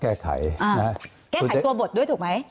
แก้ไขตัวบทด้วยถูกมั้ย